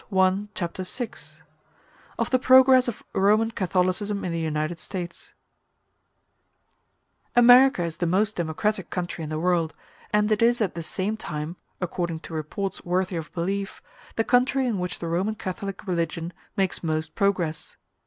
Chapter VI: Of The Progress Of Roman Catholicism In The United States America is the most democratic country in the world, and it is at the same time (according to reports worthy of belief) the country in which the Roman Catholic religion makes most progress.